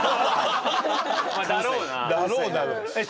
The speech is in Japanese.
まあだろうな。